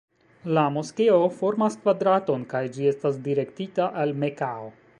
La moskeo formas kvadraton kaj ĝi estas direktita al Mekao.